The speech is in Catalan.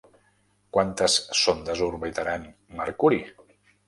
Quantes sondes orbitaran Mercuri?